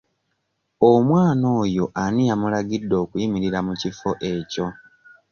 Omwana oyo ani yamulagidde okuyimirira mu kifo ekyo?